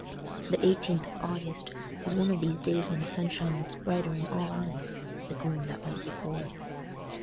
The eighteenth of August was one of these days when the sunshine looked brighter in all eyes for the gloom that went before.